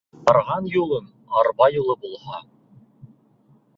Барған юлың арба юлы булһа